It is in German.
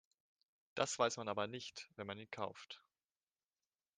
Das weiß man aber nicht, wenn man ihn kauft.